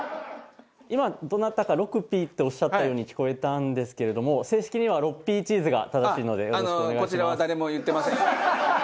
今どなたか「ろくぴー」っておっしゃったように聞こえたんですけれども正式には「６Ｐチーズ」が正しいのでよろしくお願いします。